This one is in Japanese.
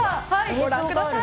ご覧ください。